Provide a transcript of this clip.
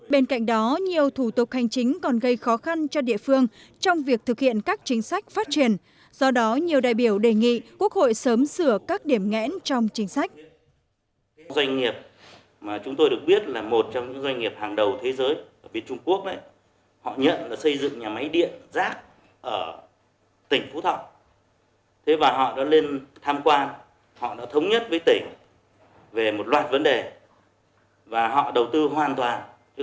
bên cạnh đó nhiều thủ tục hành chính còn gây khó khăn cho địa phương trong việc thực hiện các chính sách phát triển do đó nhiều đại biểu đề nghị quốc hội sớm sửa các điểm nghẽn trong chính sách